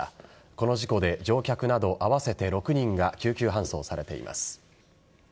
この事故で乗客など合わせて６人が救急搬送されています。